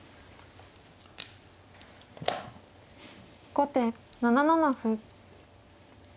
後手７七歩。